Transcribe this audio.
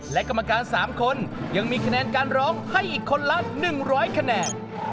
และกรรมการ๓คนยังมีคะแนนการร้องให้อีกคนละ๑๐๐คะแนน